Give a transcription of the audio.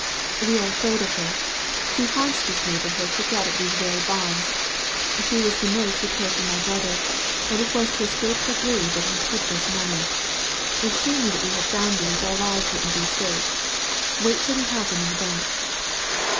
We are afraid of her; she haunts this neighborhood to get at these very bonds. She was the nurse who cared for my brother, and it was to escape her greed that he hid this money. If she knew that we had found these our lives wouldn't be safe. Wait till we have them in the bank."